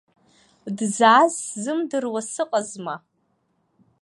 Дзааз сзымдыруа сыҟазма.